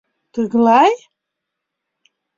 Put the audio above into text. Тыглай?